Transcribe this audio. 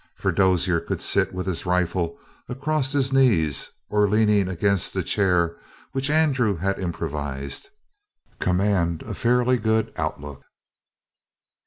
For Dozier could sit with his rifle across his knees, or, leaning against the chair which Andrew had improvised, command a fairly good outlook.